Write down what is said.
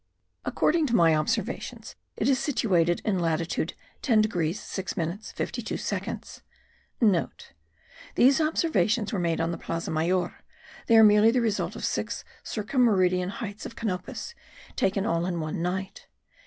According to my observations it is situated in latitude 10 degrees 6 minutes 52 seconds.* (* These observations were made on the Plaza Major. They are merely the result of six circum meridian heights of Canopus, taken all in one night.